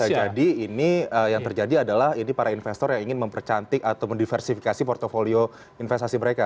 jadi bisa jadi ini yang terjadi adalah ini para investor yang ingin mempercantik atau mendiversifikasi portfolio investasi mereka